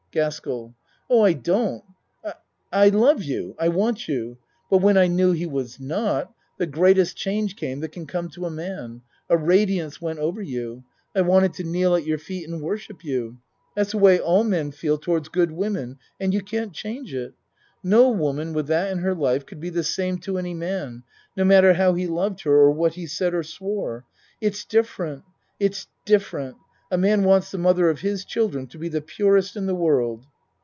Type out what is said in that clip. GASKELL Oh, I don't I I love you. I want you. But when I knew he was not the greatest change came that can come to a man. A radiance went over you. I wanted to kneel at your feet and worship you. That's the way all men feel towards good women and you can't change it. No woman with that in her life could be the same to any man no matter how he loved her or what he said or swore. It's different. It's different. A man wants the mother of his children to be the purest in the world.